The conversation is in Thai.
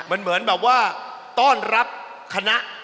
มันเหมือนแบบว่าต้อนรับคณะ